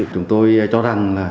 chúng tôi cho rằng